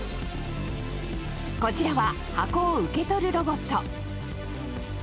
こちらは箱を受け取るロボット。